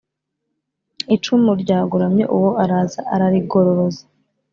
Icumu ryagoramye* uwo araza ararigororoza.